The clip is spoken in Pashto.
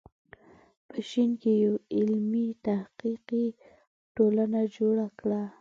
په ه ش کې یوه علمي تحقیقي ټولنه جوړه کړه.